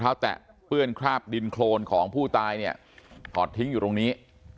แตะเปื้อนคราบดินโครนของผู้ตายเนี่ยถอดทิ้งอยู่ตรงนี้